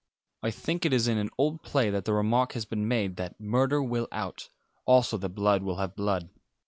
I think it is in an old play that the remark has been made that 'Murder will out,' also that 'Blood will have blood.'